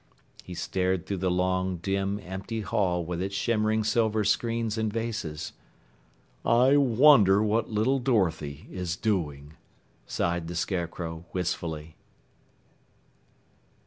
He stared through the long, dim, empty hall with its shimmering silver screens and vases. "I wonder what little Dorothy is doing," sighed the Scarecrow wistfully.